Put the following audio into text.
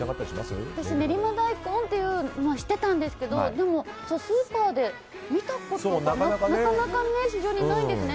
私、練馬大根っていうのは知ってたんですけどスーパーで見たことなかなか、市場にないんですね。